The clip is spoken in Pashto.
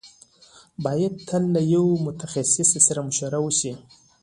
بايد تل له يوه متخصص سره مشوره وشي.